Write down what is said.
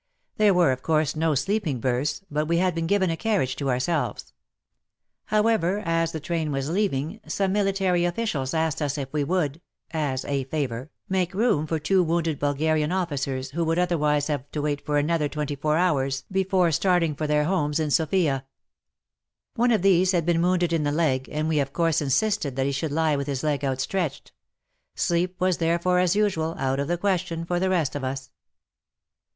There were of course no sleeping berths, but we had been given a carriage to ourselves. However, as the train was leaving, some military officials asked us if we would, as a favour, make room for two wounded Bulgarian officers, who would otherwise have to wait for another twenty four hours before starting for their homes in 52 WAR AND WOMEN Sofia. One of these had been wounded in the leg, and we of course insisted that he should lie with his leg outstretched, — sleep was therefore as usual out of the question for the rest of us.